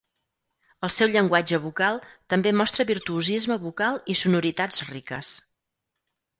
El seu llenguatge vocal també mostra virtuosisme vocal i sonoritats riques.